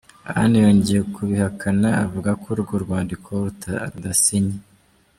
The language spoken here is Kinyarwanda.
Anne yongeye kubihakana avuga ko urwo rwandiko rudasinye.